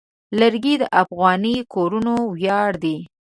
لرګی د افغاني کورنو ویاړ دی.